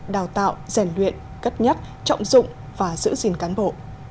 đào tạo rèn luyện cất nhắc trọng dụng và giữ gìn cán bộ